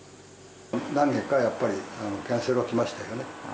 何件かはやっぱりキャンセルは来ましたよね。